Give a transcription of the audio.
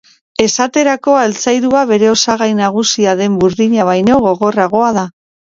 Esaterako, altzairua bere osagai nagusia den burdina baino gogorragoa da.